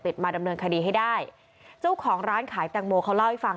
มาดำเนินคดีให้ได้เจ้าของร้านขายแตงโมเขาเล่าให้ฟัง